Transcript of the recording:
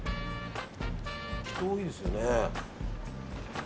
人多いですよね。